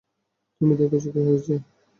তুমি দেখেছ কী হয়েছে।